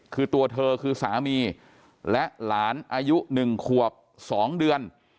คือตัวเธอคือสามีและหลานอายุ๑ขวบ๒เดือน